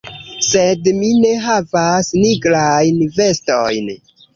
Sed mi ne havas nigrajn vestojn.